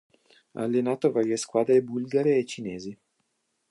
Ha allenato varie squadre bulgare e cinesi.